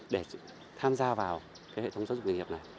để tham gia vào cái hệ thống giáo dục nghề nghiệp này